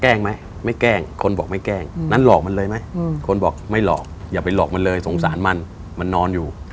ไหมไม่แกล้งคนบอกไม่แกล้งนั้นหลอกมันเลยไหมคนบอกไม่หลอกอย่าไปหลอกมันเลยสงสารมันมันนอนอยู่